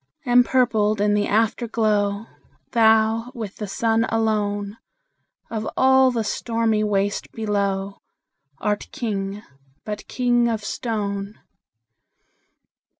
Empurpled in the Afterglow, Thou, with the Sun alone, Of all the stormy waste below, Art King, but king of stone!